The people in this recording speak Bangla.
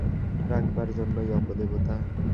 রাখবার জন্যেই অপদেবতা।